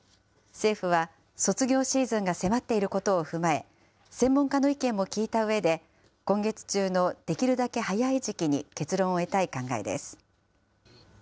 政府は卒業シーズンが迫っていることを踏まえ、専門家の意見も聞いたうえで、今月中のできるだけ早い時期に結論を得たい考えです。